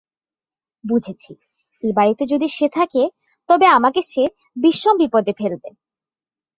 বুঝেছি, এ বাড়িতে যদি সে থাকে তবে আমাকে সে বিষম বিপদে ফেলবে।